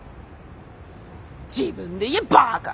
自分で言えバカ！